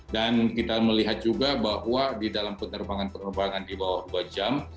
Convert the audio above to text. dan kita melihat juga bahwa di dalam penerbangan penerbangan di bawah dua jam